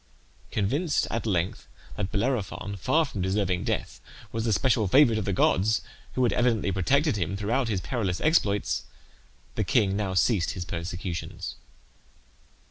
Convinced at length that Bellerophon, far from deserving death, was the special favourite of the gods, who had evidently protected him throughout his perilous exploits, the king now ceased his persecutions.